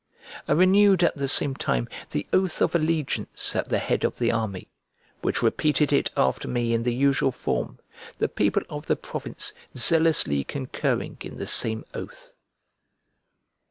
I renewed at the same time the oath of allegiance at the head of the army, which repeated it after me in the usual form, the people of the province zealously concurring in the same oath.